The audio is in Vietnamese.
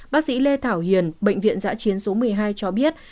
bác sĩ lê thảo hiền bệnh viện giã chiến số một mươi hai cho biết